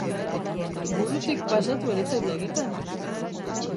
Burutik pasatu ere ez zait egiten!.